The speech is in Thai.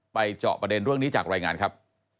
เจาะประเด็นเรื่องนี้จากรายงานครับ